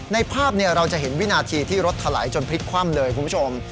ในภาพเราจะเห็นวินาทีที่รถถลายจนพลิกคว่ำเลยคุณผู้ชม